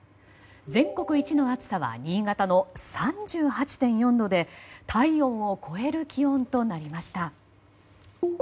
全国一の暑さは新潟の３８．４度で体温を超える気温となりました。